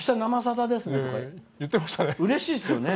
うれしいですよね。